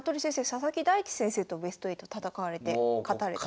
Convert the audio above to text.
佐々木大地先生とベスト８戦われて勝たれて。